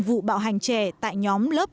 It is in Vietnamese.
vụ bạo hành trẻ tại nhóm lớp